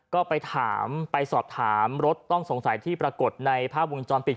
ก็ไปถามไปสอบถามรถต้องสงสัยที่ปรากฏในภาพวงจรปิด